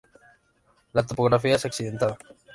La topografía es accidentada.